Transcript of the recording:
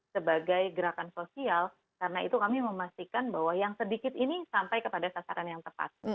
sebagai gerakan sosial karena itu kami memastikan bahwa yang sedikit ini sampai kepada sasaran yang tepat